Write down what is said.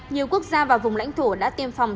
nhiều quốc gia và vùng lãnh thổ đã tiêm phòng